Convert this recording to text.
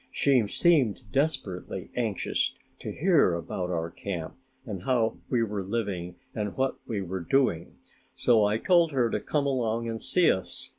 She seemed desperately anxious to hear about our camp and how we were living and what we were doing, so I told her to come along and see us.